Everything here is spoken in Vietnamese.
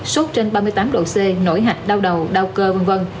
sốt trên ba mươi tám độ c nổi hạch đau đầu đau cơ v v